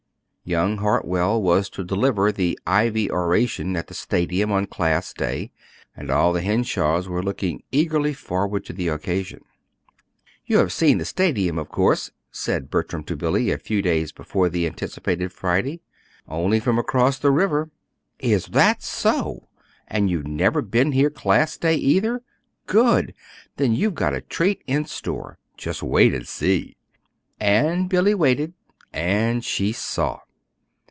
Young Hartwell was to deliver the Ivy Oration in the Stadium on Class Day, and all the Henshaws were looking eagerly forward to the occasion. "You have seen the Stadium, of course," said Bertram to Billy, a few days before the anticipated Friday. "Only from across the river." "Is that so? And you've never been here Class Day, either. Good! Then you've got a treat in store. Just wait and see!" And Billy waited and she saw.